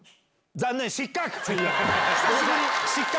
残念、失格。